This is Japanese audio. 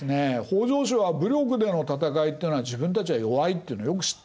北条氏は武力での戦いっていうのは自分たちは弱いっていうのをよく知ってるわけです。